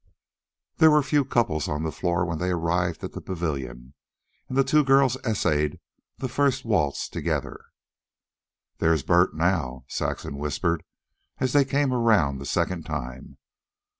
There were few couples on the floor when they arrived at the pavilion, and the two girls essayed the first waltz together. "There's Bert now," Saxon whispered, as they came around the second time.